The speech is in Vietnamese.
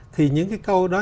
thì những cái câu đó